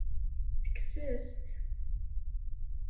Tekkes-as-t.